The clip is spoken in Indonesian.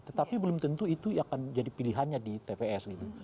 tetapi belum tentu itu akan jadi pilihannya di tps gitu